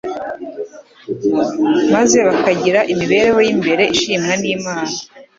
maze bakagira imibereho y'imbere ishimwa n'Imana,